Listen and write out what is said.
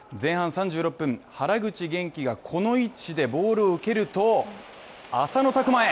前半３６分、原口元気がこの位置でボールを受けると、浅野拓磨へ